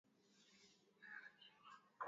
haipaswi kutumia samadi ya mbwa na paka